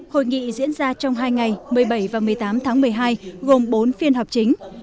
hội nghị diễn ra trong hai ngày một mươi bảy và một mươi tám tháng một mươi hai gồm bốn phiên họp chính